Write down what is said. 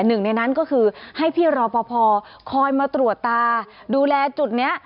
หนึ่งในนั้นก็คือให้พี่รอปภคอยมาตรวจตาดูแลจุดนี้